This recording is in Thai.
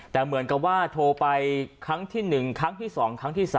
แต่เหมือนกับว่าโทรไปครั้งที่๑ครั้งที่๒ครั้งที่๓